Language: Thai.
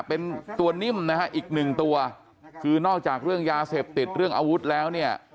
เป็นตัวนิ่มนะฮะอีกหนึ่งตัวคือนอกจากเรื่องยาเสพติดเรื่องอาวุธแล้วเนี่ย